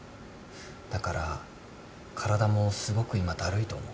だから体もすごく今だるいと思う。